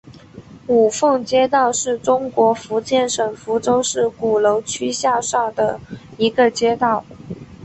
五凤街道是中国福建省福州市鼓楼区下辖的一个街道。